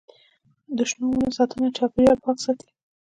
د شنو ونو ساتنه چاپیریال پاک ساتي.